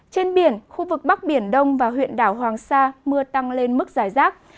trên biển khu vực bắc biển đông và huyện đảo hoàng sa mưa tăng lên mức giải rác